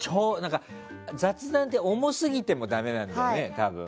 雑談って重すぎてもだめなんだよね、多分。